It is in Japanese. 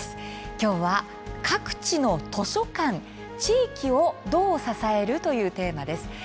今日は「各地の図書館地域をどう支える？」というテーマです。